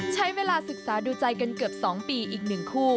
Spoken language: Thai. ใช้เวลาศึกษาดูใจกันเกือบ๒ปีอีก๑คู่